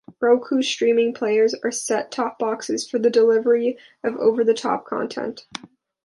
Roku Streaming Players are set-top boxes for the delivery of over-the-top content.